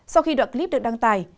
sau khi đoạn clip được đăng tải